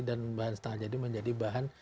dan bahan setengah jadi menjadi bahan